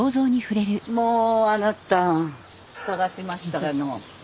もうあなた探しましたの。